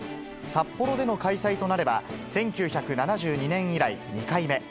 札幌での開催となれば、１９７２年以来２回目。